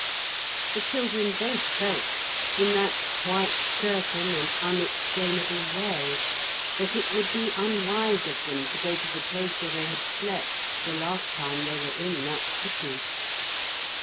The children both felt in that quite certain and unexplainable way that it would be unwise of them to go to the place where they had slept the last time they were in that city.